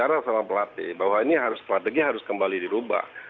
saya sudah bicara sama pelatih bahwa ini harus strategi harus kembali dirubah